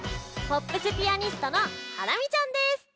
ポップスピアニストのハラミちゃんです！